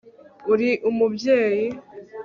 uri umubyeyi